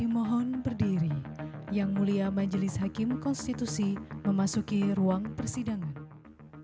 mohon berdiri yang mulia majelis hakim konstitusi memasuki ruang persidangan